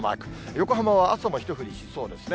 横浜は朝も一降りしそうですね。